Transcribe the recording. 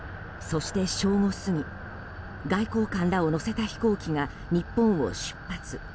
そして正午過ぎ、外交官らを乗せた飛行機が日本を出発。